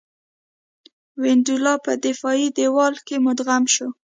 وینډولا په دفاعي دېوال کې مدغم شو.